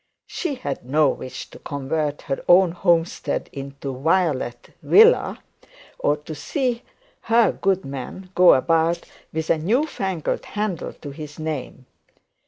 She had no wish to convert her own homeland into Violet Villa, or to see her goodman go about with a new fangled handle to his name.